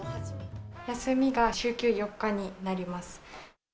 休みが週休４日になります。